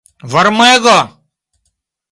Varmego?